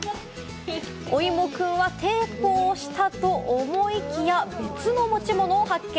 おいもくんは抵抗したと思いきや、別の持ち物を発見。